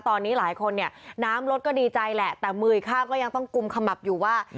ตอนนี้หลายคนเนี่ยน้ำรถก็ดีใจแหละแต่มืออีกข้างก็ยังต้องกุมขมับอยู่ว่า